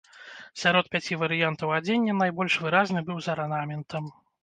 Сярод пяці варыянтаў адзення найбольш выразны быў з арнаментам.